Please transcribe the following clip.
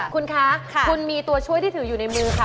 คุณคะคุณมีตัวช่วยที่ถืออยู่ในมือค่ะ